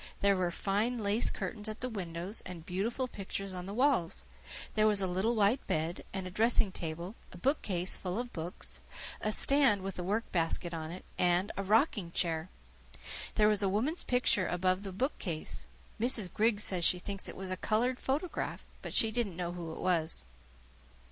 There were fine lace curtains at the windows and beautiful pictures on the walls. There was a little white bed, and a dressing table, a bookcase full of books, a stand with a work basket on it, and a rocking chair. There was a woman's picture above the bookcase. Mrs. Griggs says she thinks it was a coloured photograph, but she didn't know who it was.